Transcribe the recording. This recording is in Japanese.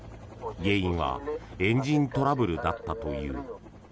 原因はエンジントラブルだったという。